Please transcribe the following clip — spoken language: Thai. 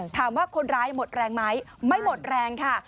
ถามว่าคนร้ายหมดแรงไหมไม่หมดแรงค่ะ